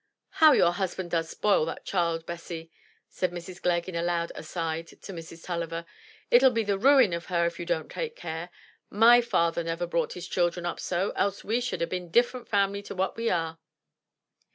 "How your husband does spoil that child, Bessy!" said Mrs. Glegg in a loud "aside" to Mrs. Tulliver. "It'll be the ruin of her if you don't take care. My father never brought his children up so, else we should ha' been a different family to what we are."